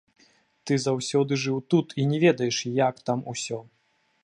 Ты заўсёды жыў тут і не ведаеш, як там усё.